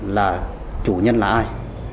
là chủ nhân là ai